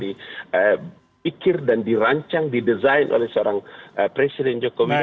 dipikir dan dirancang didesain oleh seorang presiden